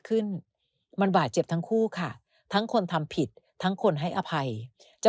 ขึ้นมันบาดเจ็บทั้งคู่ค่ะทั้งคนทำผิดทั้งคนให้อภัยจะ